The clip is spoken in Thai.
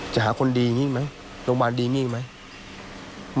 หาคนดีอย่างนี้ไหมโรงพยาบาลดีนี่ไหม